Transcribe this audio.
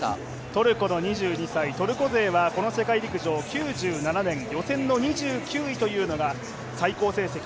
トルコの２２歳、トルコ勢はこの世界陸上は９７年予選の２９位というのが最高成績。